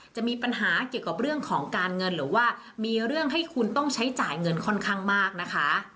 จะมีปัญหาเกี่ยวกับเรื่องของการเงินหรือว่ามีเรื่องให้คุณต้องใช้จ่ายเงินค่อนข้างมากนะคะ